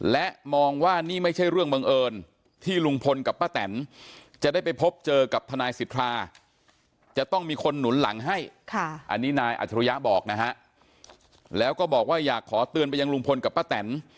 และมองว่านี่ไม่ใช่เรื่องบังเอิญที่ลุงพลกับป้าแต่นจะได้ไปพบเจอกับทนายสิทธา